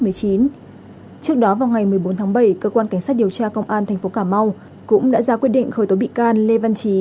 trước đó vào ngày một mươi bốn tháng bảy cơ quan cảnh sát điều tra công an tp cà mau cũng đã ra quyết định khởi tố bị can lê văn trí